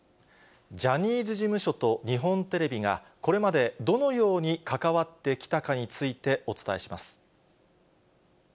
ジャニーズ事務所と日本テレビが、これまでどのように関わってきたかについてお伝えします。